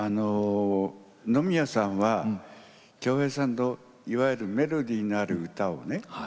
野宮さんは京平さんのいわゆるメロディーのある歌をね